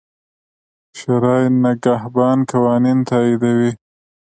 شورای نګهبان قوانین تاییدوي.